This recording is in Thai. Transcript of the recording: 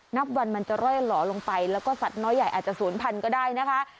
นับวันมันจะร่อยหล่อลงไปแล้วก็สัตว์น้อยใหญ่อาจจะศูนย์พันก็ได้นะคะ